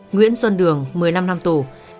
nguyễn xuân đường một mươi năm năm tù